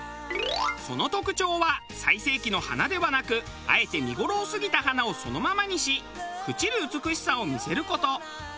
その特徴は最盛期の花ではなくあえて見頃を過ぎた花をそのままにし朽ちる美しさを見せる事。